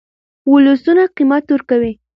ولسونه قیمت ورکوي.